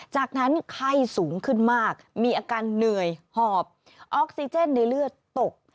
จากนั้นไข้สูงขึ้นมากมีอาการเหนื่อยหอบออกซิเจนในเลือดตก